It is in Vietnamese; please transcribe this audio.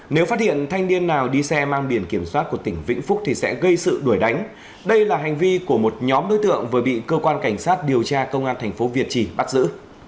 nếu phát hiện thanh niên nào đi xe mang biển kiểm soát của tỉnh vĩnh phúc thì sẽ gây sự đuổi đánh đây là hành vi của một nhóm đối tượng vừa bị cơ quan cảnh sát điều tra công an thành phố việt trì bắt giữ